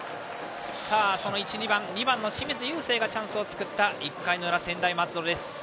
その１、２番２番の清水友惺がチャンスを作った１回の裏、専大松戸です。